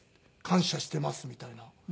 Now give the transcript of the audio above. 「感謝してます」みたいな。